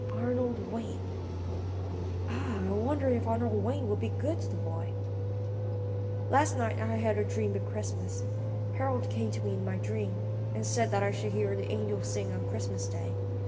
Arnold Wayne ah, I wonder if Arnold Wayne will be good to the boy? "Last night I had a dream of Christmas. Harold came to me in my dream, and said that I should hear the angels sing on Christmas day.